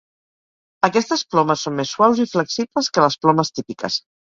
Aquestes plomes són més suaus i flexibles que les plomes típiques.